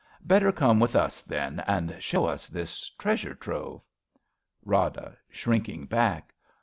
Better come with us, then, and show us this treasure trove. Rada {shrinking back).